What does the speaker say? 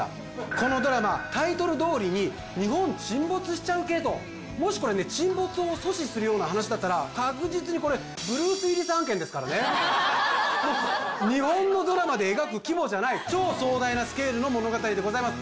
「このドラマタイトルどおりに日本沈没しちゃう系？？」ともしこれね沈没を阻止するような話だったら確実にこれブルース・ウィリス案件ですからね超壮大なスケールの物語でございます